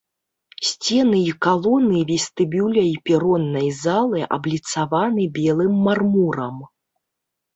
Сцены і калоны вестыбюля і пероннай залы абліцаваны белым мармурам.